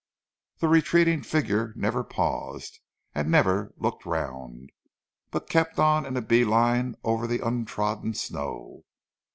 The retreating figure never paused, and never looked round, but kept on in a bee line over the untrodden snow.